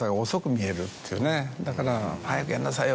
だから早くやんなさいよ！